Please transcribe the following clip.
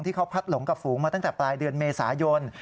เขาพัดหลงกับฝูงมาตั้งแต่ปลายเดือนเมษายน